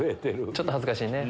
ちょっと恥ずかしいね。